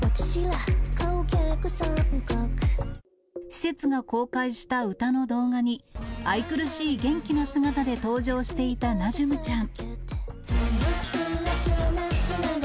施設が公開した歌の動画に、愛くるしい元気な姿で登場していたナジュムちゃん。